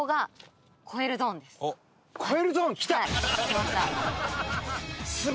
きました。